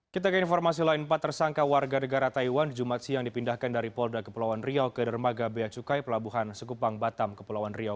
kita ke informasi lain empat tersangka warga negara taiwan di jumat siang dipindahkan dari polda kepulauan riau ke dermaga beacukai pelabuhan sekupang batam kepulauan riau